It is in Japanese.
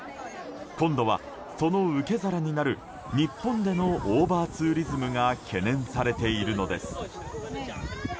今度はその受け皿になる日本でのオーバーツーリズムが懸念されているのです。